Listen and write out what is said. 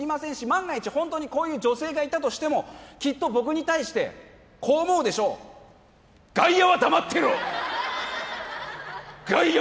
万が一本当にこういう女性がいたとしてもきっと僕に対してこう思うでしょう「外野は黙ってろ！！」